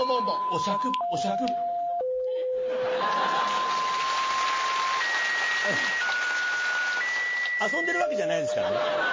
お酌お酌遊んでるわけじゃないですからね。